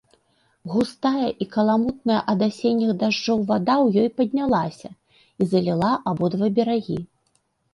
Густая і каламутная ад асенніх дажджоў вада ў ёй паднялася і заліла абодва берагі.